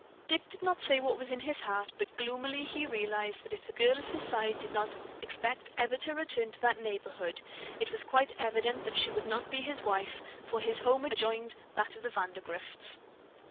Dick did not say what was in his heart, but gloomily he realized that if the girl at his side did not expect ever to return to that neighborhood, it was quite evident that she would not be his wife, for his home adjoined that of the Vandergrifts.